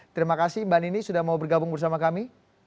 terima kasih mbak nini sudah mau bergabung bersama kami